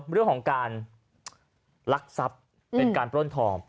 เรื่องของการลักทรัพย์เป็นการปล้นทอง